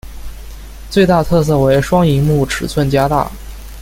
最大特色为双萤幕尺寸加大。